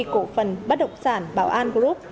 cổ phần bắt độc sản bảo an group